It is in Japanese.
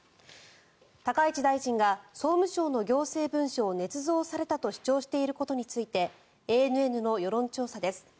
高市大臣が総務省の行政文書をねつ造されたと主張していることについてＡＮＮの世論調査です。